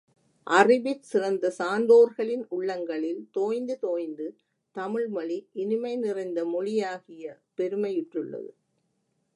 அறிவிற் சிறந்த சான்றோர்களின் உள்ளங்களில் தோய்ந்து தோய்ந்து, தமிழ்மொழி இனிமை நிறைந்த மொழியாகிய பெருமையுற்றுள்ளது.